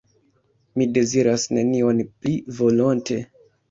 Mi deziras nenion pli volonte.